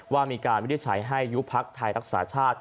ว่ามีการวินิจฉัยให้ยุบพักไทยรักษาชาติ